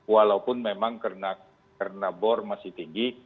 walaupun memang karena bor masih tinggi